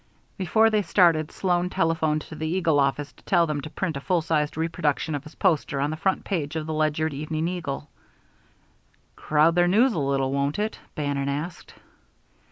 Before they started Sloan telephoned to the Eagle office to tell them to print a full sized reproduction of his poster on the front page of the Ledyard Evening Eagle. "Crowd their news a little, won't it?" Bannon asked.